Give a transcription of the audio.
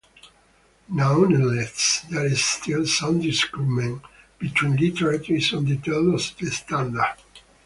Nonetheless, there is still some disagreement between literates on details of the standard.